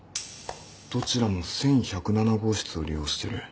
どちらも１１０７号室を利用してる。